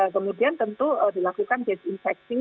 kemudian tentu dilakukan disinfecting